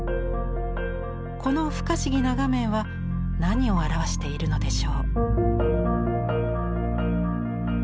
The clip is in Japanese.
この不可思議な画面は何を表しているのでしょう。